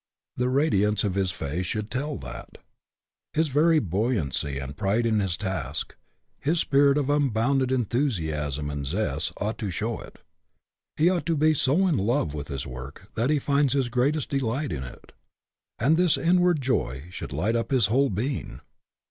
The radiance of his face should tell that. His very buoyancy and pride in his task; his spirit of unbounded en thusiasm and zest, ought to show. it. He ought to be so in love with his work that he finds his greatest delight in it ; and this inward joy should light up his whole being.